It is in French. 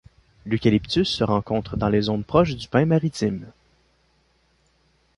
L'eucalyptus se rencontre dans les zones proches du pin maritime.